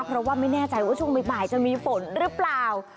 เพราะว่าไม่แน่ใจว่าช่วงบ่ายจะมีฝนหรือเปล่า